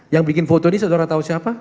yang bikin foto ini saudara tahu siapa